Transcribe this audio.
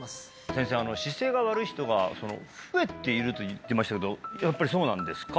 先生姿勢が悪い人が増えていると言ってましたけどやっぱりそうなんですか？